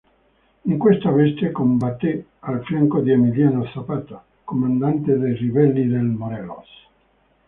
In questa veste combatté al fianco di Emiliano Zapata, comandante dei ribelli del Morelos.